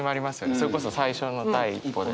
それこそ最初の第一歩で。